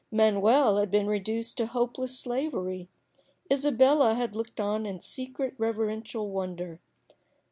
Manuel had been reduced to hopeless slavery. Isabella had looked on in secret reverential wonder.